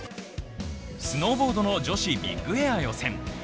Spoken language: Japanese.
スノーボードの女子ビッグエア予選。